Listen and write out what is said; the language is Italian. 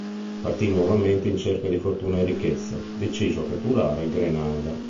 Partì nuovamente in cerca di fortuna e ricchezze, deciso a catturare Grenada.